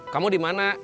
kamu di mana